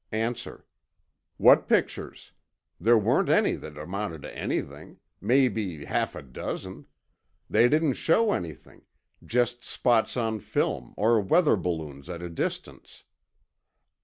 A. What pictures? There weren't any that amounted to anything. Maybe half a dozen. They didn't show anything, just spots on film or weather balloons at a distance.